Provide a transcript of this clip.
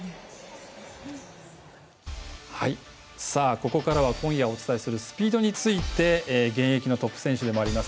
ここからは今夜お伝えするスピードについて現役のトップ選手でもあります